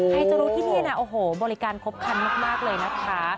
ใครจะรู้ที่นี่นะโอ้โหบริการครบคันมากเลยนะคะ